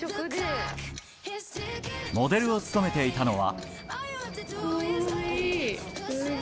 モデルを務めていたのは。